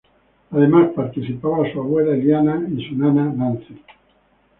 Además, participaba su abuela Eliana y su nana Nancy.